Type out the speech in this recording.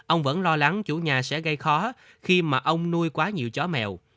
ông vẫn lo lắng chủ nhà sẽ gây khó khi mà ông nuôi quá nhiều chó mèo